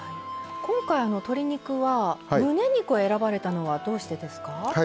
今回鶏肉はむね肉を選ばれたのはどうしてですか？